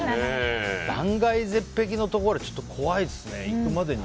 断崖絶壁のところちょっと怖いですね。